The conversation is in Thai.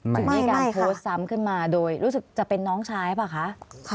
ถึงมีการโพสต์ซ้ำขึ้นมาโดยรู้สึกจะเป็นน้องชายหรือเปล่าคะ